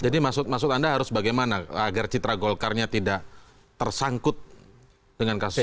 jadi maksud anda harus bagaimana agar citra golkarnya tidak tersangkut dengan kasus ini